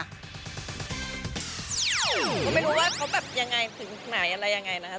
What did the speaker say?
ก็ไม่รู้ว่าเขาแบบยังไงถึงไหนอะไรยังไงนะครับ